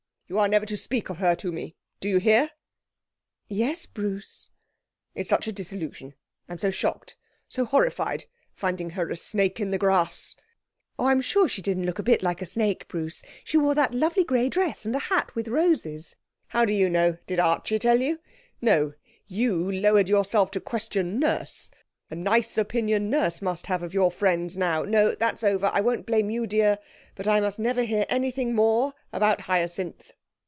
You are never to speak of her to me. Do you hear?' 'Yes, Bruce.' 'It is such a disillusion. I'm so shocked, so horrified, finding her a snake in the grass.' 'Oh, I'm sure she didn't look a bit like a snake, Bruce. She wore that lovely grey dress and a hat with roses.' 'How do you know? Did Archie tell you? No; you lowered yourself to question Nurse. A nice opinion Nurse must have of your friends now! No; that's over. I won't blame you, dear, but I must never hear anything more about Hyacinth.'